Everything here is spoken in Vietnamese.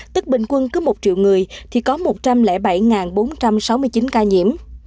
tức bình quân cứ một triệu người thì có một trăm linh bảy bốn trăm sáu mươi chín ca nhiễm